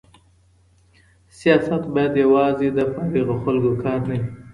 سياست بايد يوازي د فارغو خلګو کار نه وي.